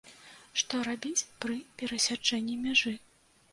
Што рабіць пры перасячэнні мяжы.